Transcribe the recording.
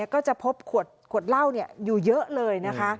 ก็จะพบขวดเหล้าอยู่เยอะเลยนะคะ